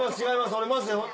俺マジで。